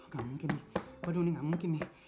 gak mungkin waduh ini gak mungkin nih